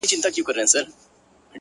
مه وله د سترگو اټوم مه وله ـ